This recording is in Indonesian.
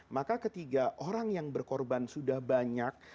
maka ketiga orang yang berkorban sudah banyak